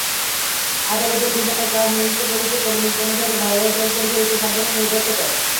আদালতের বিচার কাজ নিজস্ব গতিতে ক্রমিক অনুসারে ধারাবাহিকভাবে পরিচালিত সম্পূর্ণ নিরপেক্ষতায়।